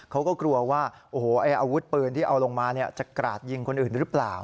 เขาก็กลัวว่าโอ้โหอาวุธปืนที่เอาลงมาจะกราดยิงคนอื่นหรือเปล่า